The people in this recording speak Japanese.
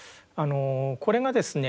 これがですね